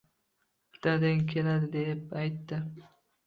Dadang keladi, deb aytdi